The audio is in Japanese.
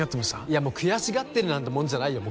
いやもう悔しがってるなんてもんじゃないよ